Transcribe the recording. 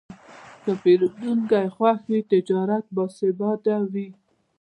که پیرودونکی خوښ وي، تجارت باثباته وي.